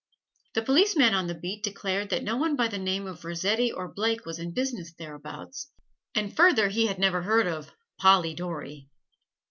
The policeman on the beat declared that no one by the name of Rossetti or Blake was in business thereabouts; and further he never heard of Polly Dory.